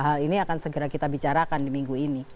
hal ini akan segera kita bicarakan di minggu ini